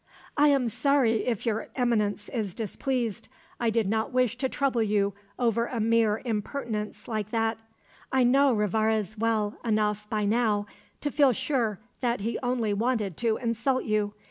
"I am sorry if Your Eminence is displeased. I did not wish to trouble you over a mere impertinence like that; I know Rivarez well enough by now to feel sure that he only wanted to insult you.